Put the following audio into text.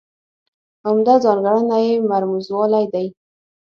عمده ځانګړنه یې مرموزوالی دی.